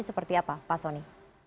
seperti apa pak soni